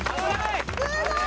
すごい！